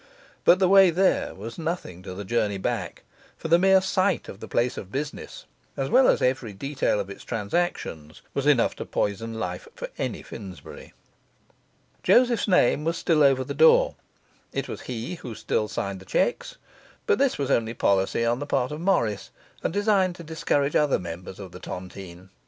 But the way there was nothing to the journey back; for the mere sight of the place of business, as well as every detail of its transactions, was enough to poison life for any Finsbury. Joseph's name was still over the door; it was he who still signed the cheques; but this was only policy on the part of Morris, and designed to discourage other members of the tontine.